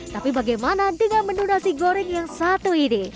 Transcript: tapi bagaimana dengan menu nasi goreng yang satu ini